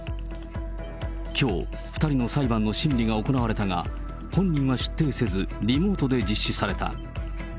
きょう、２人の裁判の審理が行われたが、本人は出廷せず、リモートで実施された。